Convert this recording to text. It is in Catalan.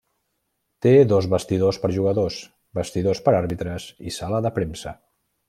Té dos vestidors per jugadors, vestidors per àrbitres i sala de premsa.